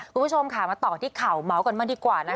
คุณผู้ชมค่ะมาต่อกันที่ข่าวเบาะก่อนมาดีกว่านะคะ